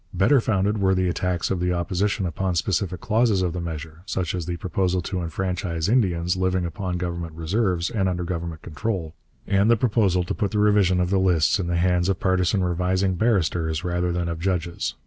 Better founded were the attacks of the Opposition upon specific clauses of the measure, such as the proposal to enfranchise Indians living upon government reserves and under government control, and the proposal to put the revision of the lists in the hands of partisan revising barristers rather than of judges.